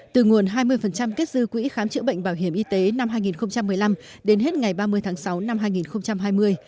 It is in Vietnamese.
từ nguồn hai mươi kết dư quỹ khám chữa bệnh bảo hiểm y tế năm hai nghìn một mươi năm đến hết ngày ba mươi tháng sáu năm hai nghìn hai mươi